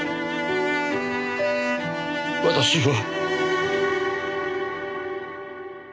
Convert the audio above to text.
私は。